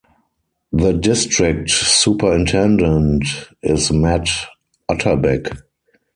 The District Superintendent is Matt Utterback.